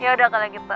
yaudah kalau gitu